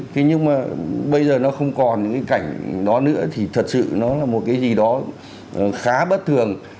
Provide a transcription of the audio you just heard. thế nhưng mà bây giờ nó không còn những cái cảnh đó nữa thì thật sự nó là một cái gì đó khá bất thường